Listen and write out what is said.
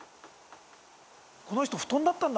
「この人布団だったんだ」と。